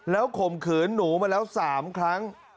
ข่มขืนหนูมาแล้ว๓ครั้ง